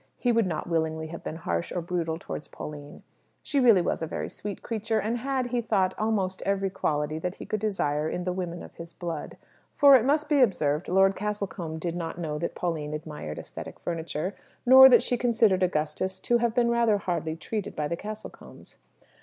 He would not willingly have been harsh or brutal towards Pauline. She really was a very sweet creature, and had, he thought, almost every quality that he could desire in the women of his blood. For, it must be observed, Lord Castlecombe did not know that Pauline admired æsthetic furniture, nor that she considered Augustus to have been rather hardly treated by the Castlecombes.